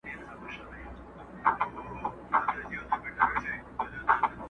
باندي جوړ د موږکانو بیر و بار وو,